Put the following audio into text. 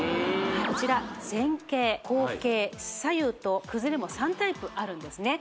こちら前傾後傾左右と崩れも３タイプあるんですね